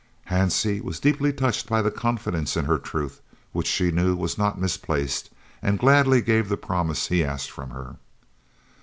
Hansie was deeply touched by his confidence in her truth, which she knew was not misplaced, and gladly gave the promise he asked from her.